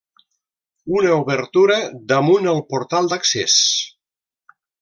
Una obertura damunt el portal d'accés.